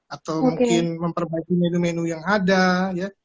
atau mungkin memperbaiki menu menu yang ada ya